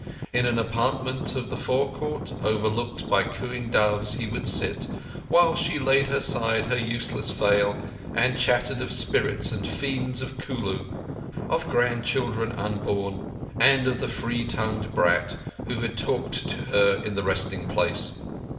In an apartment of the forecourt overlooked by cooing doves he would sit, while she laid aside her useless veil and chattered of spirits and fiends of Kulu, of grandchildren unborn, and of the free tongued brat who had talked to her in the resting place.